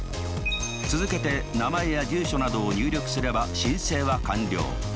続けて名前や住所などを入力すれば申請は完了。